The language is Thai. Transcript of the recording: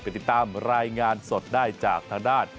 ติดตามรายงานสดได้จากทางด้าน